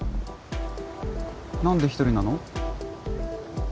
何で一人なの？